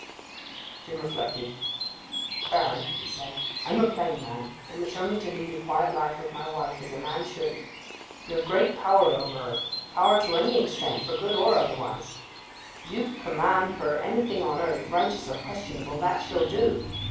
Jim reflected. 'Baron,' he said, 'I am a plain man, and wish only to lead a quiet life with my wife, as a man should. You have great power over her—power to any extent, for good or otherwise. If you command her anything on earth, righteous or questionable, that she'll do.